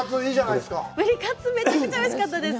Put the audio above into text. ブリカツ、めちゃくちゃおいしかったです！